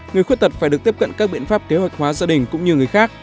người khuyết tật phải được tiếp cận các biện pháp kế hoạch hóa gia đình cũng như người khác